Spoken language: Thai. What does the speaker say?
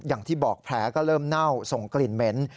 อย่างที่บอกแผลก็เริ่มเน่าส่งกลิ่นเหม็น